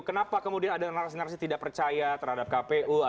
kenapa kemudian ada narasi narasi tidak percaya terhadap kpu